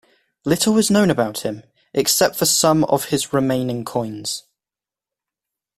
Little is known about him, except for some of his remaining coins.